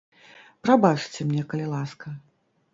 Прабачце мне, калі ласка.